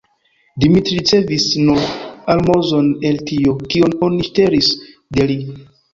Dimitri ricevis nur almozon el tio, kion oni ŝtelis de li.